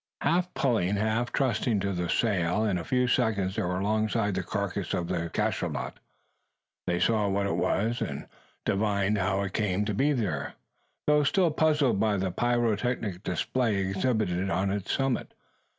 Half pulling, half trusting to the sail, in a few seconds they were alongside the carcass of the cachalot. They saw what it was and divined how it came to be there; though still puzzled by the pyrotechnic display exhibited on its summit.